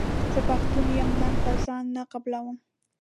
زه پښتون یم ننګ پر ځان نه قبلووم.